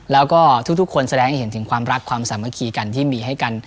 แล้วก็ทุกคนเห็นความรักความสามารถกักที่มีให้กัน